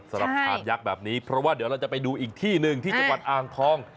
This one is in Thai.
สำหรับชามยักษ์แบบนี้เพราะว่าเดี๋ยวเราจะไปดูอีกที่หนึ่งที่จังหวัดอ่างทอง